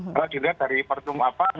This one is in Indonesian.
kalau dilihat dari pertumbuhan